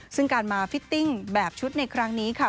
ซึ่งการมาฟิตติ้งแบบชุดในครั้งนี้ค่ะ